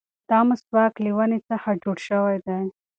دا مسواک له ونې څخه جوړ شوی دی.